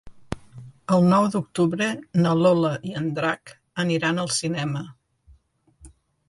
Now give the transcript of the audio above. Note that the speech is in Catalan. El nou d'octubre na Lola i en Drac aniran al cinema.